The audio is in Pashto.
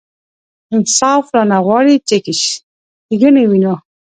انصاف رانه غواړي چې ښېګڼې وینو.